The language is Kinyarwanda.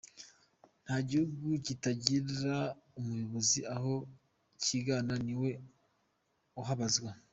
Nta gihugu kitagira umuyobozi aho kigana niwe uhabazwa.